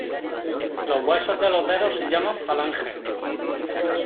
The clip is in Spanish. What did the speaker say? Los huesos de los dedos se llaman "falanges".